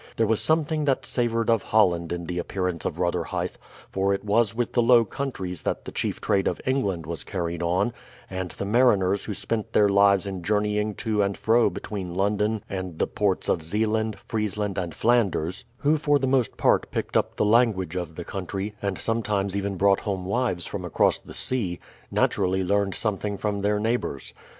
There was something that savoured of Holland in the appearance of Rotherhithe; for it was with the Low Countries that the chief trade of England was carried on; and the mariners who spent their lives in journeying to and fro between London and the ports of Zeeland, Friesland, and Flanders, who for the most part picked up the language of the country, and sometimes even brought home wives from across the sea, naturally learned something from their neighbours.